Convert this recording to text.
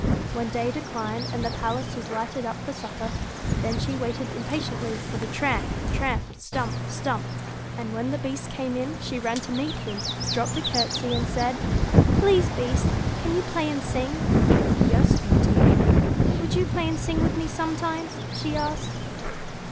When day declined, and the palace was lighted up for supper, then she waited impatiently for the tramp, tramp ! stump r stump 1 and when the Beast came in she ran to meet him, dropped a courtesy, and said, ' Please, Beast, can you play and sing ?' 'Yes, Beauty.' * Would you play and sing with me, sometimes ?' she asked.